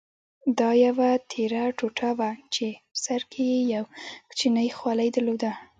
دا یوه تېره ټوټه وه چې په سر کې یې یو کوچنی خولۍ درلوده.